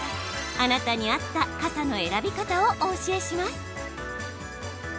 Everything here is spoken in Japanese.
あなたに合った傘の選び方をお教えします。